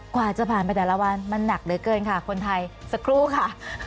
กว่าจะผ่านไปแต่ละวันมันหนักเหลือเกินค่ะคนไทยสักครู่ค่ะ